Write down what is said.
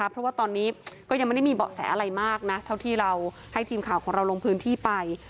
พวกเขาให้ทีมข่าวของเราลงพื้นที่ไป